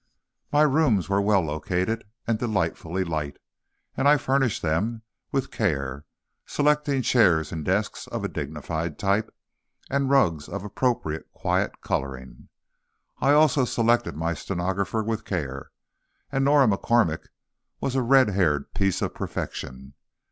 My rooms were well located and delightfully light, and I furnished them with care, selecting chairs and desks of a dignified type, and rugs of appropriately quiet coloring. I also selected my stenographer with care, and Norah MacCormack was a red haired piece of perfection.